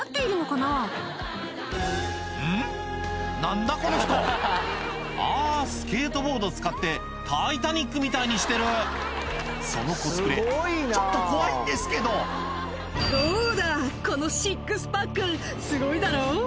何だこの人あぁスケートボード使って『タイタニック』みたいにしてるそのコスプレちょっと怖いんですけど「どうだこのシックスパックすごいだろ」